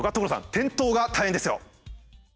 転倒が大変ですよ。